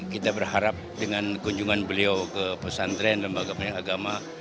kita berharap dengan kunjungan beliau ke pesantren lembaga pendidikan agama